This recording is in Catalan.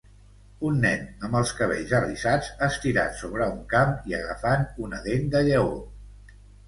Un nen amb els cabells arrissats estirat sobre un camp i agafant una dent de lleó.